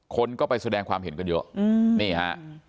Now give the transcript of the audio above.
คนก็ไปแสดงความเห็นกันเยอะนี่ฮะ